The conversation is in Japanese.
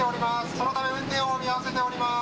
そのため運転を見合わせております。